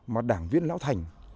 mà đảng viên lão thành